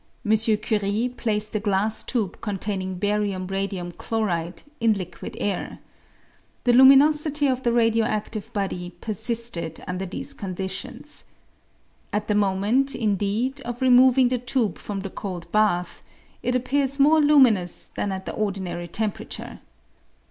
M. Curie placed a glass tube containing barium radium chloride in liquid air. The luminosity of the radio adive body persisted under these conditions. At the moment, indeed, of removing the tube from the cold bath, it appears more luminous than at the ordinary temperature.